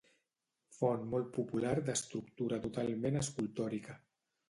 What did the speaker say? Font molt popular d'estructura totalment escultòrica.